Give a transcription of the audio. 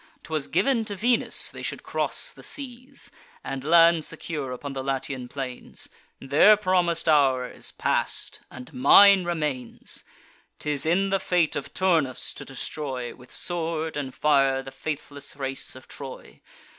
'Twas giv'n to Venus they should cross the seas, And land secure upon the Latian plains: Their promis'd hour is pass'd, and mine remains. 'Tis in the fate of Turnus to destroy, With sword and fire, the faithless race of Troy.